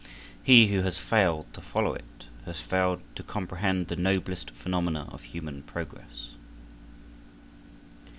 He who has failed to follow it has failed to comprehend the noblest phenomena of human progress.